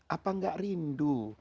apa gak rindu